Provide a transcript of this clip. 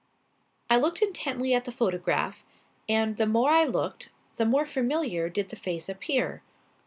I looked intently at the photograph, and the more I looked, the more familiar did the face appear.